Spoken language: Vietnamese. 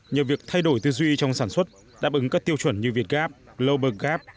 nhờ việc thay đổi tư duy trong sản xuất đáp ứng các tiêu chuẩn như việt gap global gap